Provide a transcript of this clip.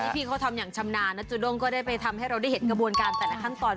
พี่เขาทำอย่างชำนาญนะจูด้งก็ได้ไปทำให้เราได้เห็นกระบวนการแต่ละขั้นตอน